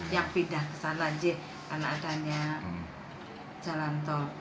yang pindah ke sana aja karena adanya jalan tol